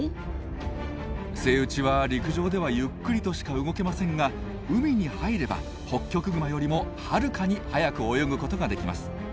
セイウチは陸上ではゆっくりとしか動けませんが海に入ればホッキョクグマよりもはるかに速く泳ぐことができます。